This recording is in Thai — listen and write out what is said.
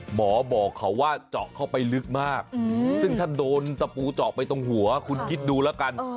หมอบอกเขาว่าเจาะเข้าไปลึกมากซึ่งถ้าโดนตะปูเจาะไปตรงหัวคุณคิดดูแล้วกัน